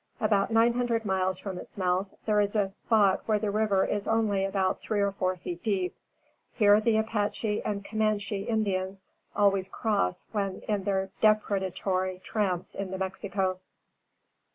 About nine hundred miles from its mouth, there is a spot where the river is only about three or four feet deep. Here the Apache and Camanche Indians always cross when on their depredatory tramps into Mexico.